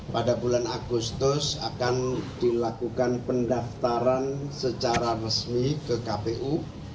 pada bulan agustus akan dilakukan pendaftaran secara resmi ke kpu